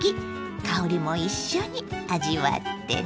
香りも一緒に味わってね。